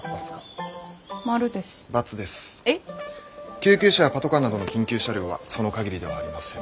救急車やパトカーなどの緊急車両はその限りではありません。